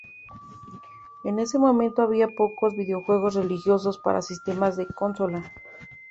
En ese momento, había pocos videojuegos religiosos para sistemas de consola.